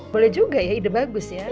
boleh juga ya ide bagus ya